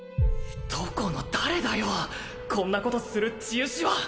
どこの誰だよこんなことする治癒士は！